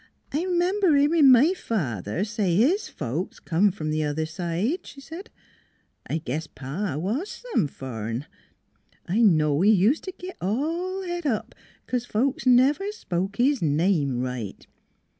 " I r'member hearin' my father say his folks come f'om th' other side," she said. " I guess pa was some fur'n: I know he ust t' git all het up b'cause folks never spoke his name right.